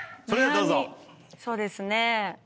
そうですね。